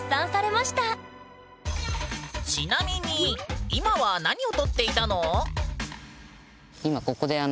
ちなみに今は何を撮っていたの？